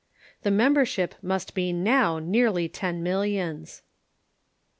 The mem bership must be now nearly ten millions.